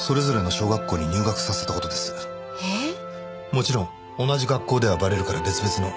もちろん同じ学校ではバレるから別々の。